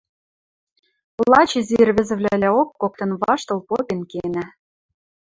Лач изи ӹӹрвезӹвлӓлӓок коктын ваштыл попен кенӓ.